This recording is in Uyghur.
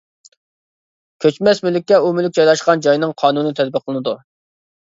كۆچمەس مۈلۈككە ئۇ مۈلۈك جايلاشقان جاينىڭ قانۇنى تەتبىقلىنىدۇ.